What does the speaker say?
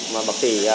mà bác sĩ